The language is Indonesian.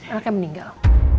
al kan meninggal